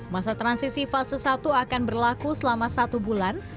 masa transisi fase satu akan berlaku selama satu bulan